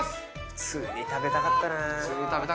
普通に食べたかったな。